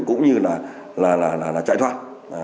cũng như là chạy thoát